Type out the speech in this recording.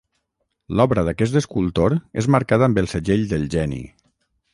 L'obra d'aquest escultor és marcada amb el segell del geni.